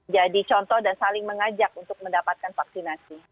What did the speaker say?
jadi contoh dan saling mengajak untuk mendapatkan vaksinasi